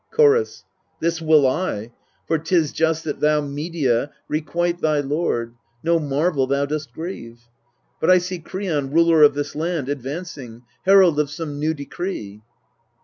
Chorus. This will I ; for 'tis just that thou, Medea, Requite thy lord : no marvel thou dost grieve. But I see Kreon, ruler of this land, Advancing, herald of some new decree.